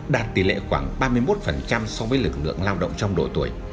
đạt tỷ lệ khoảng ba mươi một so với lực lượng lao động trong độ tuổi